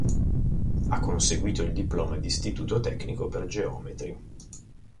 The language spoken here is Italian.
Ha conseguito il diploma di istituto tecnico per geometri.